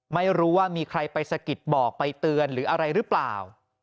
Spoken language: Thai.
ไม่รู้ว่ามีใครไปสะกิดบอกไปเตือนหรืออะไรหรือเปล่า